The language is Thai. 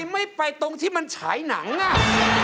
ไม่ไปตรงที่มันฉายหนังอ่ะ